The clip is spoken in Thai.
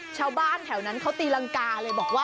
ชาวบ้านแถวนั้นเขาตีลังกาเลย